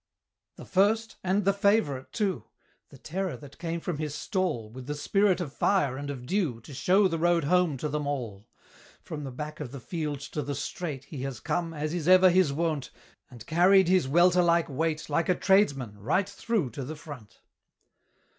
The first, and the favourite too! The terror that came from his stall, With the spirit of fire and of dew, To show the road home to them all; From the back of the field to the straight He has come, as is ever his wont, And carried his welter like weight, Like a tradesman, right through to the front.